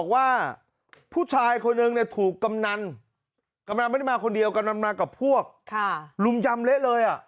ว่าผู้ชายคนหนึ่งถูกกำนันกำนันไม่ได้มาคนเดียวกำนันมากับพวกลุมยำเละเลย